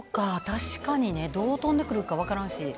確かにねどう飛んでくるか分からんし。